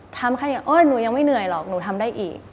ทำแค่นี้โอ๊ยหนูยังไม่เหนื่อยหรอกหนูทำได้อีก